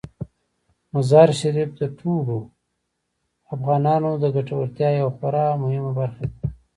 مزارشریف د ټولو افغانانو د ګټورتیا یوه خورا مهمه برخه ده.